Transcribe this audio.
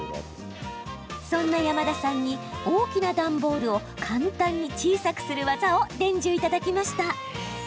そんな山田さんに大きな段ボールを簡単に小さくする技を伝授いただきました。